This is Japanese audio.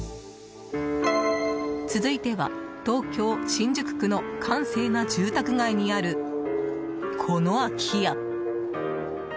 続いては、東京・新宿区の閑静な住宅街にある、この空き家。